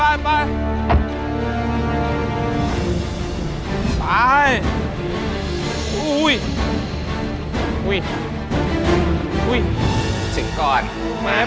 ได้เลยครับผมผ่านประโยชน์ได้ไหมครับ